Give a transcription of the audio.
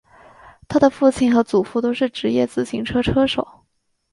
他的父亲和祖父都是职业自行车车手。